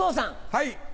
はい。